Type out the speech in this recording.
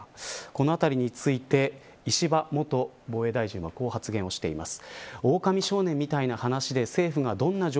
このあたりについて石破元防衛大臣はこう発言しています。